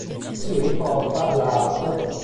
Si riporta l'art.